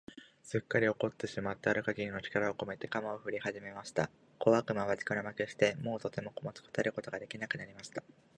すっかり怒ってしまってある限りの力をこめて、鎌をふりはじました。小悪魔は力負けして、もうとても持ちこたえることが出来なくなりました。